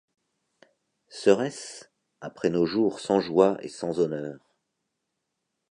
Serait-ce, après nos jours sans joie et sans honneur